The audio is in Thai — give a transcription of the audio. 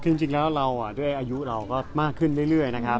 คือจริงแล้วเราด้วยอายุเราก็มากขึ้นเรื่อยนะครับ